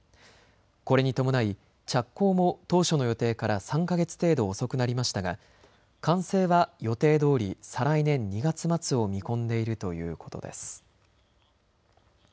これに伴い着工も当初の予定から３か月程度遅くなりましたが完成は予定どおり再来年２月末を見込んでいるということです。